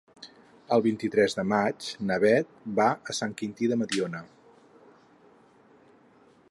El vint-i-tres de maig na Bet va a Sant Quintí de Mediona.